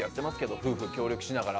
夫婦協力しながら。